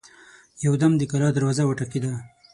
يودم د کلا دروازه وټکېده.